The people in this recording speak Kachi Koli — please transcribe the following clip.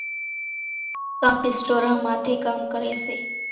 ڪانڪ اِسٽوران ماٿيَ ڪام ڪريَ سي۔